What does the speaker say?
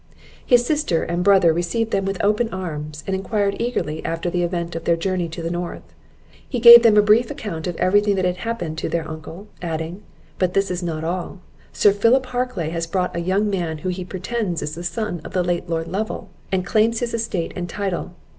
His sister and brother received them with open arms, and enquired eagerly after the event of the journey to the North. He gave them a brief account of every thing that had happened to their uncle; adding, "But this is not all: Sir Philip Harclay has brought a young man who he pretends is the son of the late Lord Lovel, and claims his estate and title.